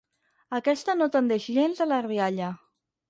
Aquesta no tendeix gens a la rialla.